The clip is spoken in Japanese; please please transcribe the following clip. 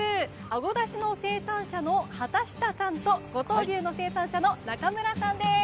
あごだしの生産者の畑下さんと五島牛の生産者の中村さんです。